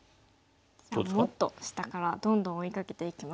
じゃあもっと下からどんどん追いかけていきます。